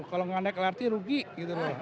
kalau nggak naik lrt rugi gitu loh